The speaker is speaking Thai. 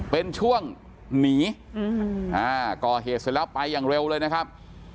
เป็นช่วงหนีก่อเหตุเสร็จแล้วไปอย่างเร็วเลยนะครับ